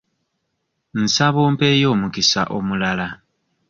Nsaba ompeeyo omukisa omulala.